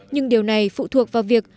nhưng điều này phụ thuộc vào việc